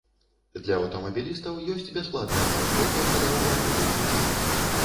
Для аўтамабілістаў ёсць бясплатная паркоўка каля ўваходу ў музей.